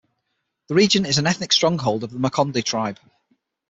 The region is an ethnic stronghold of the Makonde tribe.